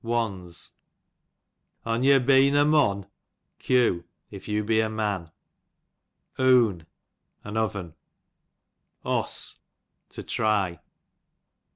On ye been o mon, q. if you be a man. Oon, an oven. Oss, to try.